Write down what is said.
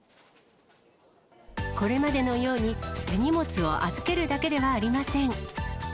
これまでのように、手荷物を預けるだけではありません。